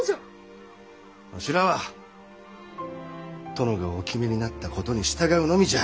わしらは殿がお決めになったことに従うのみじゃ。